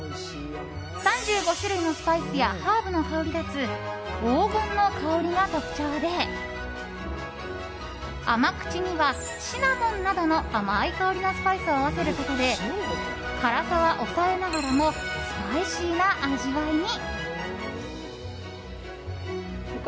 ３５種類のスパイスやハーブの香り立つ黄金の香りが特徴で甘口にはシナモンなどの甘い香りのスパイスを合わせることで辛さは抑えながらもスパイシーな味わいに。